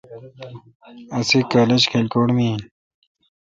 اسی کالج کھلکوٹ می این